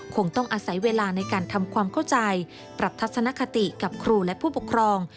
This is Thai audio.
คงต้องอาศัยเวลาในการทำความเข้าใจปรับทัศนคติกับครูและผู้ปกครอง